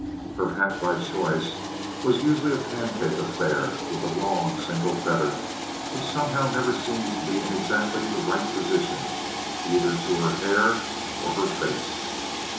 Her hat, by choice, was usually a pancake affair with a long, single feather, which somehow never seemed to be in exactly the right position, either to her hair or her face.